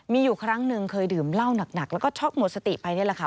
มีอยู่ครั้งหนึ่งเคยดื่มเหล้าหนักแล้วก็ช็อกหมดสติไปนี่แหละค่ะ